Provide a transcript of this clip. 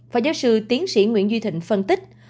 phó giáo sư tiến sĩ nguyễn duy thịnh phân tích